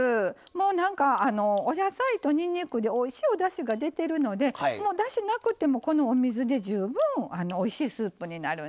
もうなんかお野菜とにんにくでおいしいおだしが出てるのでだしなくてもこのお水で十分おいしいスープになるんですね。